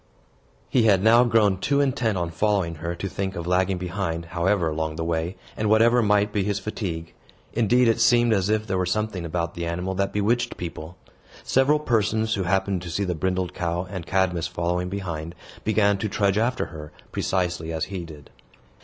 He had now grown too intent on following her to think of lagging behind, however long the way, and whatever might be his fatigue. Indeed, it seemed as if there were something about the animal that bewitched people. Several persons who happened to see the brindled cow, and Cadmus following behind, began to trudge after her, precisely as he did.